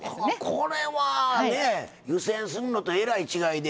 これはね湯せんするのとえらい違いで。